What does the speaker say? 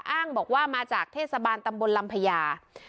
อ้างบอกว่ามาจากเทศบาลตำบลลำพญา